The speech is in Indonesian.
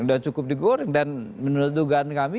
sudah cukup digoreng dan menurut dugaan kami